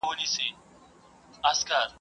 په زړه سوي به یې نېکمرغه مظلومان سي.